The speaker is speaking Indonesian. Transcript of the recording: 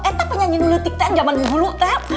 eta penyanyi nuletik teh yang jaman dulu teh